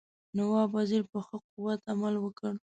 نواب وزیر په ښه قوت عمل وکړ.